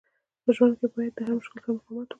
په ژوند کښي باید د هر مشکل سره مقاومت وکو.